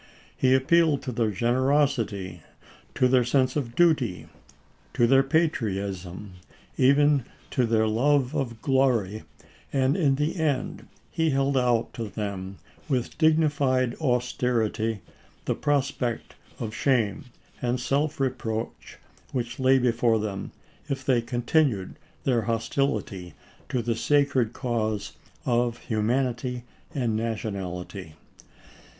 He appealed to their generosity, to their sense of duty, to their patriotism, even to their love of glory, and in the end he held out to them with dignified austerity the prospect of shame and self reproach which lay before them if they continued their hostility to the sacred cause of humanity and nationality.